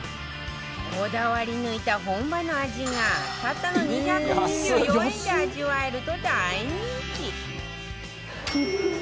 こだわり抜いた本場の味がたったの２２４円で味わえると大人気